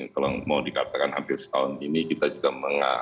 kalau mau dikatakan hampir setahun ini kita juga